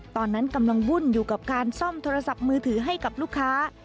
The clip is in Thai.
ตอนนั้นกำลังวุ่นอยู่กับการซ่อมโทรศัพท์มือถือให้กับลูกค้า